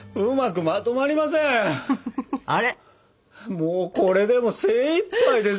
もうこれでも精いっぱいです。